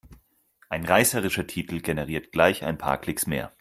Ein reißerischer Titel generiert gleich ein paar Klicks mehr.